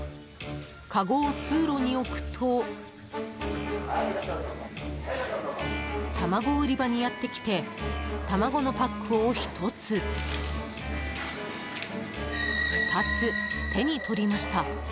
かごを通路に置くと卵売り場にやってきて卵のパックを１つ、２つ手に取りました。